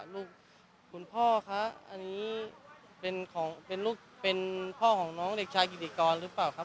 ลูกคุณพ่อคะอันนี้เป็นของเป็นพ่อของน้องเด็กชายกิติกรหรือเปล่าครับ